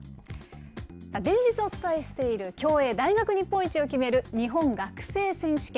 連日お伝えしている競泳大学日本一を決める日本学生選手権。